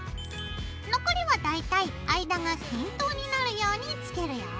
残りは大体間が均等になるようにつけるよ。